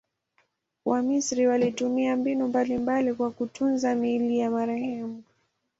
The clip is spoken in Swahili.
Wamisri walitumia mbinu mbalimbali kwa kutunza miili ya marehemu.